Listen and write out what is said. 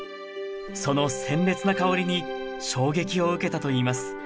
その鮮烈な香りに衝撃を受けたと言います